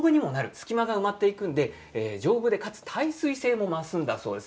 隙間が埋まっていくので丈夫でかつ耐水性も増すそうです。